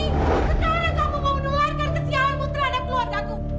sekarang kamu mau menularkan kesiahanmu terhadap keluarga aku